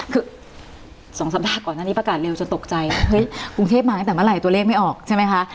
คือ๒สัปดาห์ก่อนอันนี้ประกาศเร็วจะตกใจเฮ้ยกรุงเทพมาตั้งแต่เมื่อไหร่ตัวเลขไม่ออกใช่ไหมคะ